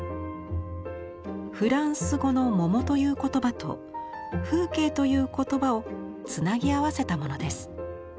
フランス語の「桃」という言葉と「風景」という言葉をつなぎ合わせたものです。